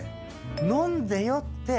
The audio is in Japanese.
飲んで酔って。